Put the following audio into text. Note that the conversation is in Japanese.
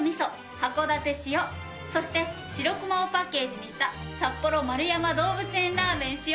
函館塩そしてシロクマをパッケージにした札幌円山動物園ラーメン塩よ。